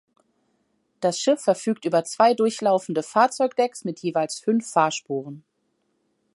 Das Schiff verfügt über zwei durchlaufende Fahrzeugdecks mit jeweils fünf Fahrspuren.